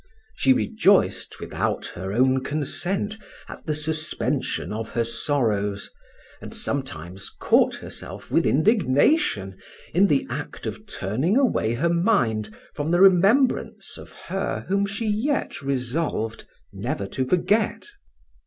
She rejoiced without her own consent at the suspension of her sorrows, and sometimes caught herself with indignation in the act of turning away her mind from the remembrance of her whom yet she resolved never to forget.